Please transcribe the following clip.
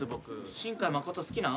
新海誠好きなん？